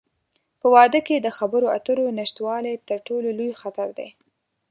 په واده کې د خبرو اترو نشتوالی، تر ټولو لوی خطر دی.